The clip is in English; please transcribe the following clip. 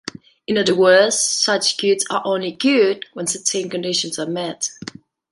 In other words, such goods are only "good" when certain conditions are met.